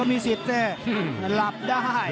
ก็มีสิทธิ์เห็นอย่างกัน